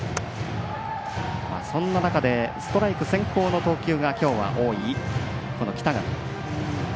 そんな中でストライク先行のボールがきょうは多い北方。